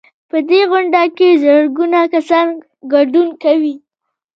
په دې غونډه کې زرګونه کسان ګډون کوي.